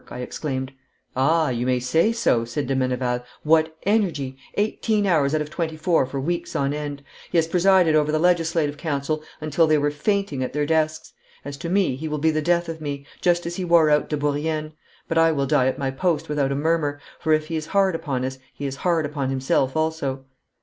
I exclaimed. 'Ah, you may say so,' said de Meneval. 'What energy! Eighteen hours out of twenty four for weeks on end. He has presided over the Legislative Council until they were fainting at their desks. As to me, he will be the death of me, just as he wore out de Bourrienne; but I will die at my post without a murmur, for if he is hard upon us he is hard upon himself also.'